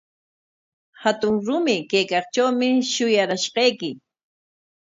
Hatun rumi kaykaqtrawmi shuyarashqayki.